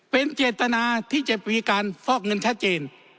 เป็นเจตนาที่จะมีการฟอกเงินชัดเจน